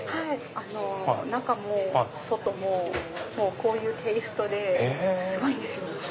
中も外もこういうテイストですごいんですよ。